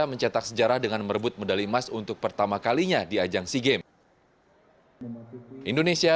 mencetak sejarah dengan merebut medali emas untuk pertama kalinya di ajang sea games indonesia